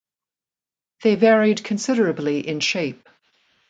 They varied considerably in shape.